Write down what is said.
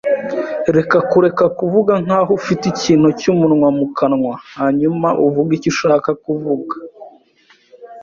Reka kureka kuvuga nkaho ufite ikintu cyumunwa mukanwa hanyuma uvuge icyo ushaka kuvuga.